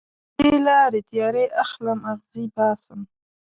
د دې لارې تیارې اخلم اغزې باسم